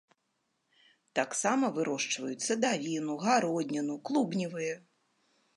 Таксама вырошчваюць садавіну, гародніну, клубневыя.